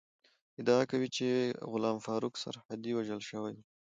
ادعا کوي چې غلام فاروق سرحدی وژل شوی ؤ